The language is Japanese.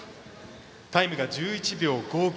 タイムが１１秒５９。